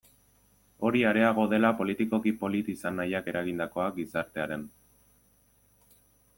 Hori areago dela politikoki polit izan nahiak eragindakoa, gizartearen.